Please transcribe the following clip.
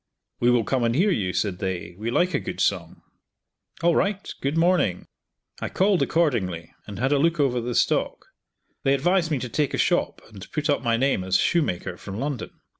"We will come and hear you," said they, "we like a good song." "All right! Good morning!" I called accordingly, and had a look over the stock. They advised me to take a shop and put up my name as shoemaker, from London.